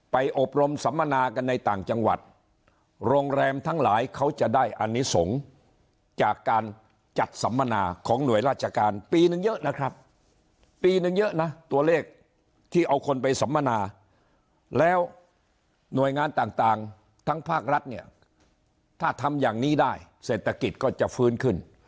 อบรมสัมมนากันในต่างจังหวัดโรงแรมทั้งหลายเขาจะได้อนิสงฆ์จากการจัดสัมมนาของหน่วยราชการปีนึงเยอะนะครับปีนึงเยอะนะตัวเลขที่เอาคนไปสัมมนาแล้วหน่วยงานต่างทั้งภาครัฐเนี่ยถ้าทำอย่างนี้ได้เศรษฐกิจก็จะฟื้นขึ้น